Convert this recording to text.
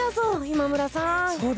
今村さん。